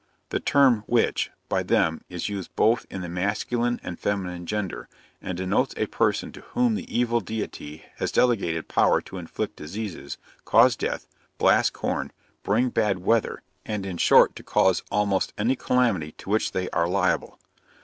The term witch, by them, is used both in the masculine and feminine gender, and denotes a person to whom the evil deity has delegated power to inflict diseases, cause death, blast corn, bring bad weather, and in short to cause almost any calamity to which they are liable.